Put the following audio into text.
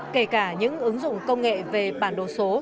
kể cả những ứng dụng công nghệ về bản đồ số